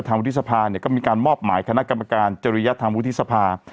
ทางอุติศภาพก็มีการมอบหมายคณะกรรมการเจรยธรรมวุฒิภาฯ